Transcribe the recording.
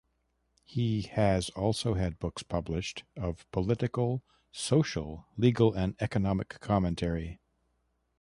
He has also had books published of political, social, legal and economic commentary.